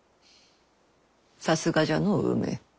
さすがじゃの梅。